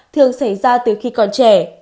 thường xảy ra từ khi còn trẻ